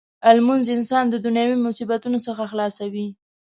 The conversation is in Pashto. لمونځ انسان د دنیايي مصیبتونو څخه خلاصوي.